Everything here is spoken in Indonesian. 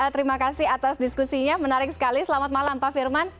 terima kasih atas diskusinya menarik sekali selamat malam pak firman